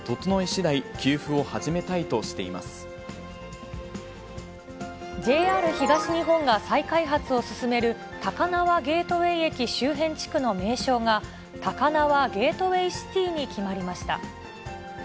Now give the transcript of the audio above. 千葉県は、準備が整いしだい、ＪＲ東日本が再開発を進める、高輪ゲートウェイ駅周辺地区の名称が、タカナワ・ゲートウェイ・シティに決まりました。